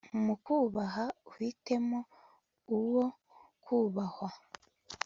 Mu kubaha uhitemo uwo kubahwa